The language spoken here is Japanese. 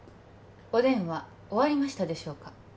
お電話終わりましたでしょうか？